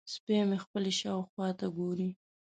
سپی مې خپلې شاوخوا ته ګوري.